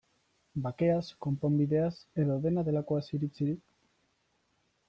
Bakeaz, konponbideaz, edo dena delakoaz iritzirik?